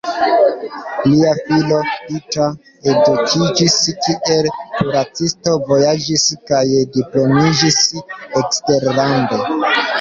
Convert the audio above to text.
Lia filo Peter edukiĝis kiel kuracisto, vojaĝis kaj diplomiĝis eksterlande.